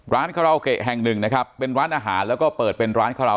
ร้านแห่งหนึ่งนะครับเป็นร้านอาหารแล้วก็เปิดเป็นร้าน